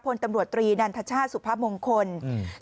พลตำรวจตรีนันทชาติสุพมงคลอืม